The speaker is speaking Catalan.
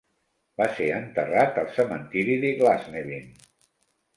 Va ser enterrat al cementiri de Glasnevin.